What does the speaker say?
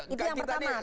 itu yang pertama